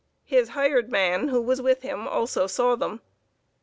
His hired man, who was with him, also saw them.